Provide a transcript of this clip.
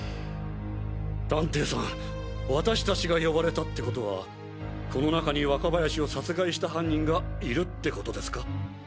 探偵さん私たちが呼ばれたってことはこの中に若林を殺害した犯人がいるってことですか？